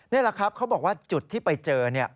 นี่แหละครับเขาบอกว่าจุดที่ไปเจอ